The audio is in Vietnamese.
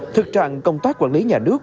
thực trạng công tác quản lý nhà nước